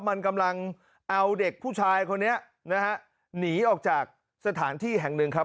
มันกำลังเอาเด็กผู้ชายคนนี้นะฮะหนีออกจากสถานที่แห่งหนึ่งครับ